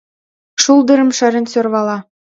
Шулдырым шарен сӧрвала.